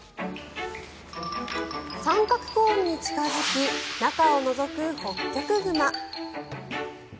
三角コーンに近付き中をのぞくホッキョクグマ。